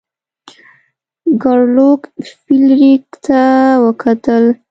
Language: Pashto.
ګارلوک فلیریک ته وکتل.